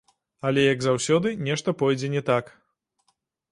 Але, як заўсёды, нешта пойдзе не так.